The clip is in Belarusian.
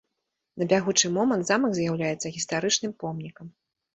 На бягучы момант замак з'яўляецца гістарычным помнікам.